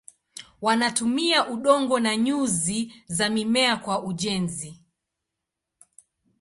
Wanatumia udongo na nyuzi za mimea kwa ujenzi.